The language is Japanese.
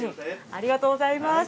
ありがとうございます。